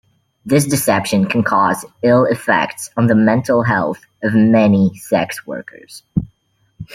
This deception can cause ill effects on the mental health of many sex workers.